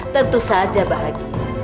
tentu saja bahagia